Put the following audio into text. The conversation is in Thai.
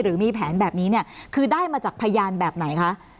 หรือมีแผนแบบนี้เนี่ยคือได้มาจากพยานแบบไหนคะ